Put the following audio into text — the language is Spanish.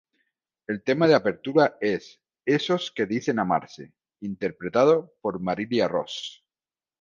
El tema de apertura es "Esos que dicen amarse" interpretado por Marilina Ross.